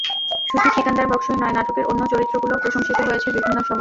শুধু সিকান্দার বক্সই নয়, নাটকের অন্য চরিত্রগুলোও প্রশংসিত হয়েছে বিভিন্ন সময়।